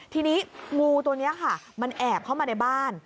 ทีนี้งูตัวนี้ค่ะมันแอบเข้ามาในบ้าน